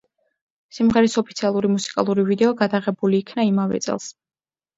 სიმღერის ოფიციალური მუსიკალური ვიდეო გადაღებული იქნა იმავე წელს.